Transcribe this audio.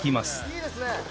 いいですね！